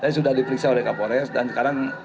saya sudah diperiksa oleh kapolres dan sekarang